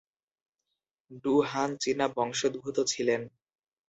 Do Han চীনা বংশদ্ভুত ছিলেন।